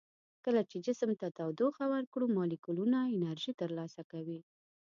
کله چې جسم ته تودوخه ورکړو مالیکولونه انرژي تر لاسه کوي.